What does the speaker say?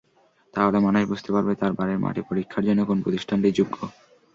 তাহলে মানুষ বুঝতে পারবে তার বাড়ির মাটি পরীক্ষার জন্য কোন প্রতিষ্ঠান যোগ্য।